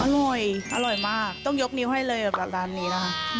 อร่อยอร่อยมากต้องยกนิ้วให้เลยกับร้านนี้นะคะ